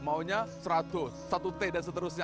maunya seratus satu t dan seterusnya